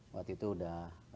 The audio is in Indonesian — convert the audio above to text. waktu itu udah